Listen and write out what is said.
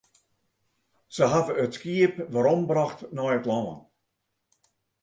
Se hawwe it skiep werombrocht nei it lân.